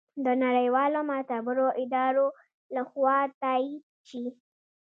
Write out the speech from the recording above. د نړیوالو معتبرو ادارو لخوا تائید شي